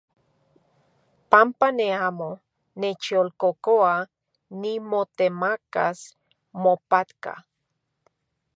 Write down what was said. Panpa ne amo nechyolkokoa nimotemakas mopatka.